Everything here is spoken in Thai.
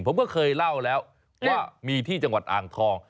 ผมก็เคยเล่าแล้วว่ามีที่จังหวัดอ่างทอง